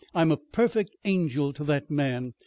I'm a perfect angel to that man."